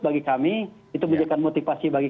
bagi kami itu menjadikan motivasi bagi